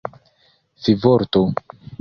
fivorto